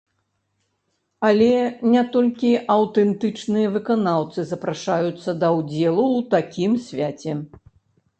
Але не толькі аўтэнтычныя выканаўцы запрашаюцца да ўдзелу ў такім свяце.